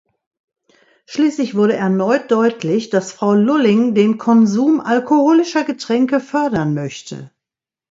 Schließlich wurde erneut deutlich, dass Frau Lulling den Konsum alkoholischer Getränke fördern möchte.